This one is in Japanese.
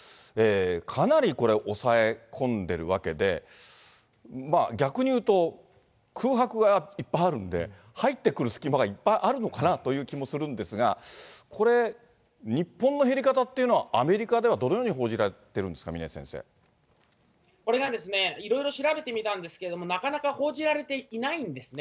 かなりこれ、抑え込んでいるわけで、まあ逆にいうと、空白がいっぱいあるんで、入ってくる隙間がいっぱいあるのかなという気もするんですが、これ日本の減り方というのは、アメリカではどのように報じられているんですか、峰先これが、いろいろ調べてみたんですけれども、なかなか報じられていないんですね。